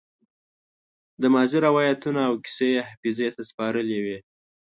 د ماضي روايتونه او کيسې يې حافظې ته سپارلې وي.